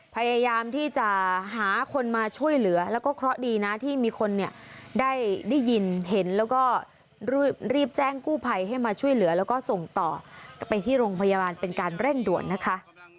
พยายามที่จะหาคนมาช่วยเหลือแล้วก็เคราะห์ดีนะที่มีคนเนี่ยได้ยินเห็นแล้วก็รีบแจ้งกู้ภัยให้มาช่วยเหลือแล้วก็ส่งต่อไปที่โรงพยาบาลเป็นการเร่งด่วนนะคะ